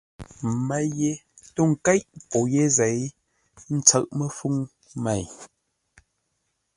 Mə́ ye tô ńkéʼ pô yé zêi, ə́ ntsə̌ʼ məfʉ̌ŋ mêi.